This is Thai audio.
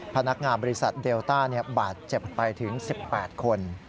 พนักงานบริษัทเดลต้าบาดเจ็บไปถึง๑๘คน